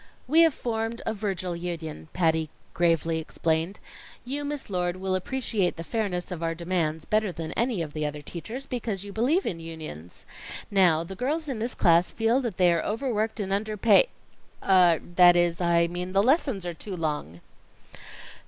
"We have formed a Virgil Union," Patty gravely explained. "You, Miss Lord, will appreciate the fairness of our demands better than any of the other teachers, because you believe in unions. Now, the girls in this class feel that they are overworked and underpa er that is, I mean the lessons are too long."